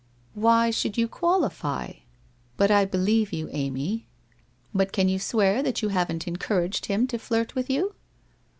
"Why should yon qualify? But I believe you, Amy. But can you swear that you haven't encouraged him to flirt with you?